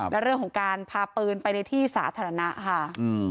และเรื่องของการพาปืนไปในที่สาธารณะค่ะ